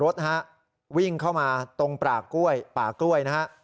รถนะฮะวิ่งเข้ามาตรงป่ากล้วยป่ากล้วยนะฮะ